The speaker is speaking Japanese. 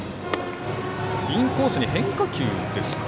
インコースに変化球でしょうか。